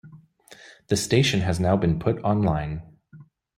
The station has now been put online.